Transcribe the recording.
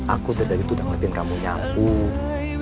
aku dari tadi sudah ngeliatin kamu nyangkut